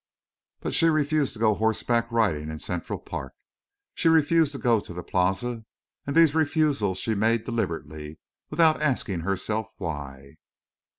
But she refused to go horseback riding in Central Park. She refused to go to the Plaza. And these refusals she made deliberately, without asking herself why.